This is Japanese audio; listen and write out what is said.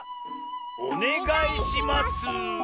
おねがいします。